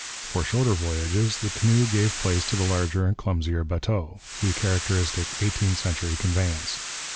For shorter voyages the canoe gave place to the larger and clumsier bateau, the characteristic eighteenth century conveyance.